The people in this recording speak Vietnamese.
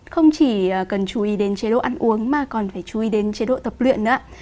không chỉ cần chú ý đến chế độ ăn uống mà còn phải chú ý đến chế độ tập luyện nữa